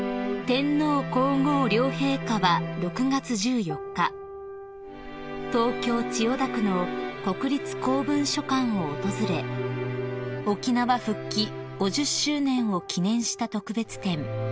［天皇皇后両陛下は６月１４日東京千代田区の国立公文書館を訪れ沖縄復帰５０周年を記念した特別展